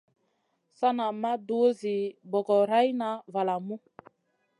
Sana ma dur zi bogorayna valamu.